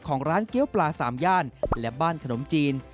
ของร้านเกี้ยวปลาสามย่านและบ้านขนมจีน